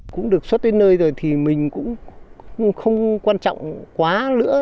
cũng được xuất đến nơi rồi thì mình cũng không quan trọng quá nữa